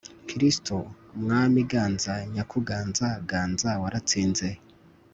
kristu mwami ganza nyakuganza, ganza waratsinze